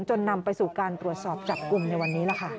นำไปสู่การตรวจสอบจับกลุ่มในวันนี้ล่ะค่ะ